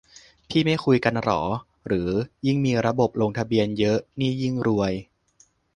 พี่ไม่คุยกันเหรอ หรือยิ่งมีระบบลงทะเบียนเยอะนี่ยิ่งรวย ?